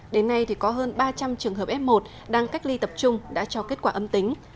đến nay có hơn ba trăm linh trường hợp f một đang cách ly tập trung đã cho kết quả âm tính